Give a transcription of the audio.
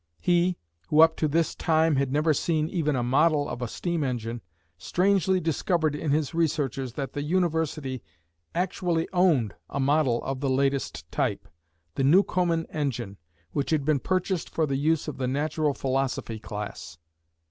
He, who up to this time had never seen even a model of a steam engine, strangely discovered in his researches that the university actually owned a model of the latest type, the Newcomen engine, which had been purchased for the use of the natural philosophy class.